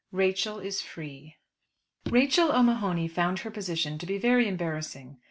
RACHEL IS FREE. Rachel O'Mahony found her position to be very embarrassing.